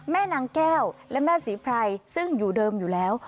นางแก้วและแม่ศรีไพรซึ่งอยู่เดิมอยู่แล้ว